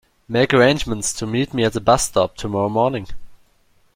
Make arrangements to meet me at the bus stop tomorrow morning.